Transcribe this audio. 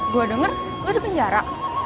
gue denger lo di penjara